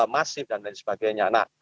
masif dan lain sebagainya